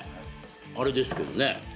あれですけどね